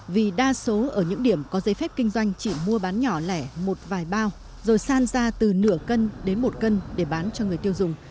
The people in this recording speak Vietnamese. vì đa số ở những điểm có giấy phép kinh doanh chỉ mua bán nhỏ lẻ một vài bao rồi san ra từ nửa cân đến một cân để bán cho người tiêu dùng